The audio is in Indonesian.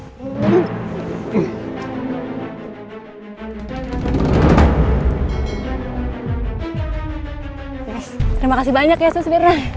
terima kasih banyak ya sus mirna